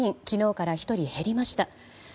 昨日から１人減りました。